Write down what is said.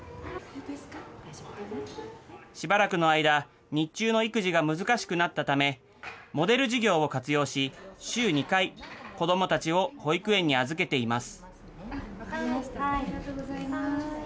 しばらくの間、日中の育児が難しくなったため、モデル事業を活用し、週２回、子どもたちを保育園に預けています。